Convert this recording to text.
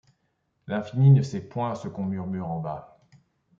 L’infini ne sait point ce qu’on murmure en bas ;